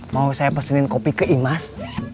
mau saya pesenin kopi ke imas